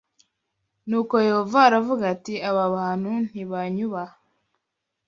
Nuko Yehova aravuga ati aba bantu ntibanyubaha.